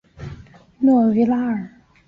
诺维拉尔。